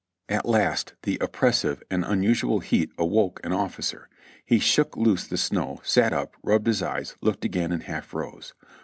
At last the oppressive and unusual heat awoke an officer: he shook loose the snow, sat up, rubbed his eyes, looked again and half rose.